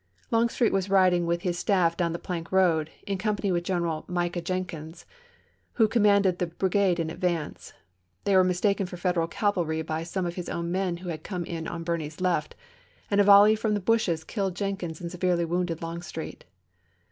Longstreet was riding with his staff down the plank road, in company with General Micah Jenkins, who commanded the bri gade in advance ; they were mistaken for Federal cavalry by some of his own men who had come in on Birney's left, and a volley from the bushes killed Jenkins and severely wounded Longstreet.